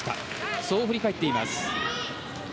そう振り返っています。